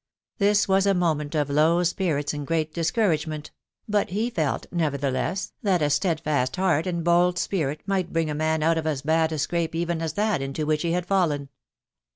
This was a moment of low spirits and great discouragement ; but he felt nevertheless that a steadfast heart and bold spirit might bring a man out of as bad a scrape even as that into which he had fallen.